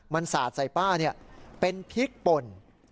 มันสาดใส่ป้าเป็นพริกป่น